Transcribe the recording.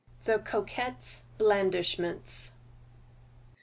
THE COQUETTE'S BLANDISHMENTS.